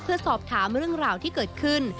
เพื่อสอบถามเรื่องราวที่เกิดขึ้น